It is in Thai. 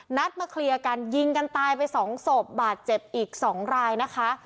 นัดมาเคลียร์กันยิงกันตายไปสองศพบาดเจ็บอีก๒รายนะคะ